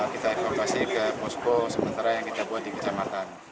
kita evakuasi ke posko sementara yang kita buat di kecamatan